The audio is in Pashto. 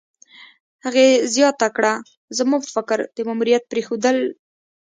هغې زیاته کړه: "زما په فکر، د ماموریت پرېښودل